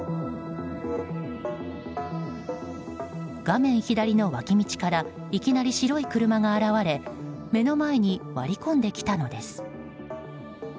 画面左の脇道からいきなり白い車が現れ目の前に割り込んできたのです。